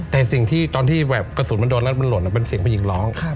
แต่สิ่งที่ตอนที่แบบกระสุนมันโดนแล้วมันหล่นเป็นเสียงผู้หญิงร้อง